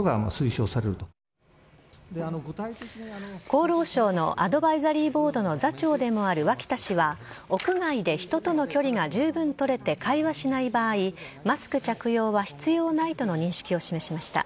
厚労省のアドバイザリーボードの座長でもある脇田氏は屋外で人との距離がじゅうぶん取れて会話しない場合マスク着用は必要ないとの認識を示しました。